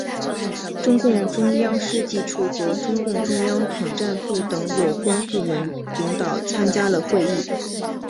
中共中央书记处和中共中央统战部等有关部门领导参加了会议。